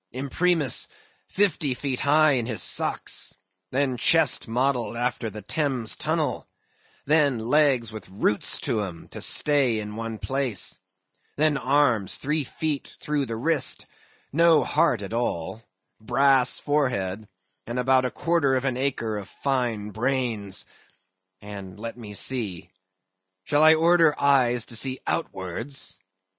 Imprimis, fifty feet high in his socks; then, chest modelled after the Thames Tunnel; then, legs with roots to 'em, to stay in one place; then, arms three feet through the wrist; no heart at all, brass forehead, and about a quarter of an acre of fine brains; and let me see—shall I order eyes to see outwards?